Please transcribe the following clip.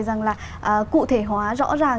rằng là cụ thể hóa rõ ràng